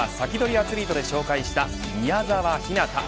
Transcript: アツリートで紹介した宮澤ひなた。